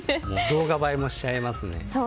動画映えもしちゃいますね。